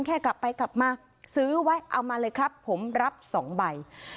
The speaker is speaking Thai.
แค่กลับไปกลับมาซื้อไว้เอามาเลยครับผมรับ๒ใบ